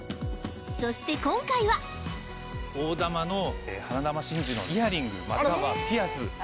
そして今回は大珠の花珠真珠のイヤリングまたはピアス。